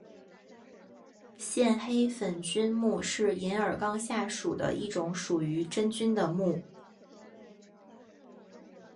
线黑粉菌目是银耳纲下属的一种属于真菌的目。